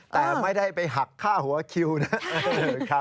แต่ไม่ได้ไปหักค่าหัวคิวนะ